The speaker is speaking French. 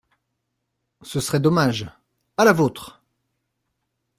Ce serait dommage. À la vôtre!